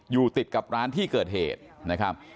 อยู่ติดกับร้านที่เกิดเหตุนะครับ